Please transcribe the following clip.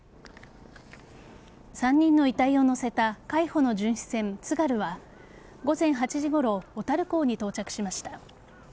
３人の遺体を乗せた海保の巡視船「つがる」は午前８時ごろ小樽港に到着しました。